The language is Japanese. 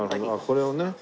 これをね。